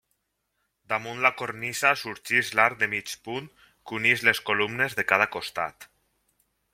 Damunt la cornisa sorgeix l'arc de mig punt que uneix les columnes de cada costat.